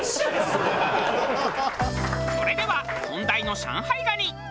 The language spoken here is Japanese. それでは本題の上海蟹。